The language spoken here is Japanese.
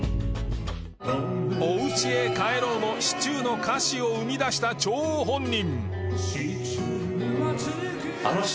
『お家へ帰ろう』のシチューの歌詞を生み出した張本人